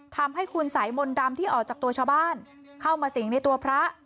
ทำให้คุณสายมนต์ดำที่ออกจากตัวชาวบ้านเข้ามาสิงในตัวพระ